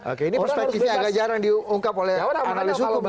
oke ini perspektifnya agak jarang diungkap oleh analis hukum